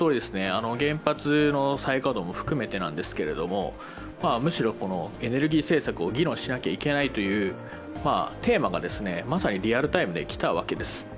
原発の再稼働も含めてなんですけれどもむしろエネルギー政策を議論しなければいけないというテーマがまさにリアルタイムで来たわけです。